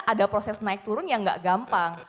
ada proses naik turun yang nggak gampang